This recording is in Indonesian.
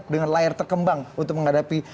dengan layar terkembang untuk menghadapi